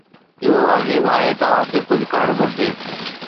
اهو عظيم آهي، توهان کي ڪجهه ڪرڻ گهرجي